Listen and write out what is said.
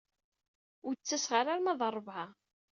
Ur d-ttaseɣ ara arma d ṛṛebɛa.